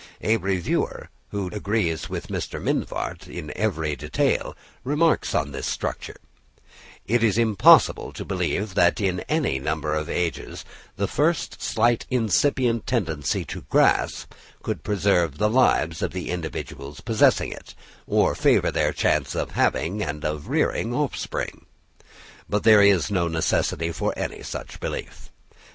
A reviewer, who agrees with Mr. Mivart in every detail, remarks on this structure: "It is impossible to believe that in any number of ages the first slight incipient tendency to grasp could preserve the lives of the individuals possessing it, or favour their chance of having and of rearing offspring." But there is no necessity for any such belief.